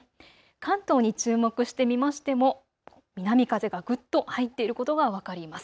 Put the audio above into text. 関東に注目してみましても南風がぐっと入っていることが分かります。